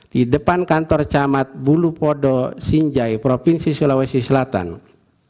di depan kantor camat bulupodo jawa barat jawa barat jawa barat jawa barat jawa barat jawa barat jawa barat jawa barat jawa barat